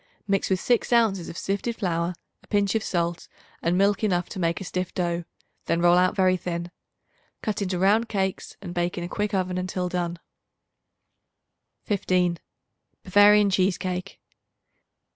Mix with 6 ounces of sifted flour, a pinch of salt and milk enough to make a stiff dough; then roll out very thin. Cut into round cakes and bake in a quick oven until done. 15. Bavarian Cheese Cake.